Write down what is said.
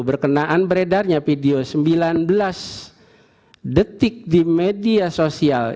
berkenaan beredarnya video sembilan belas detik di media sosial